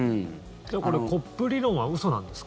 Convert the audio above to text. コップ理論は嘘なんですか？